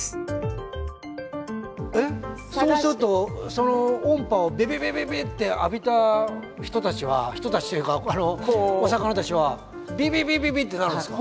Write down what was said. そうするとその音波をビビビビビッて浴びた人たちは人たちというかお魚たちはビリビリビリってなるんですか？